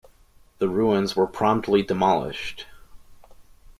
The ruins were promptly demolished.